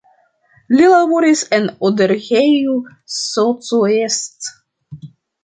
Li laboris en Odorheiu Secuiesc.